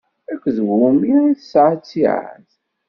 Akked wumi i tesɛa ttiɛad?